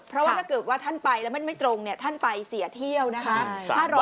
เพราะว่าถ้าเกิดว่าท่านไปแล้วมันไม่ตรงท่านไปเสียเที่ยวนะคะ